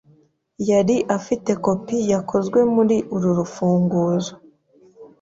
Yari afite kopi yakozwe muri uru rufunguzo.